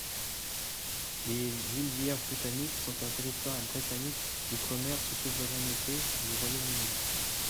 Les Îles Vierges britanniques sont un territoire britannique d'outre-mer sous souveraineté du Royaume-Uni.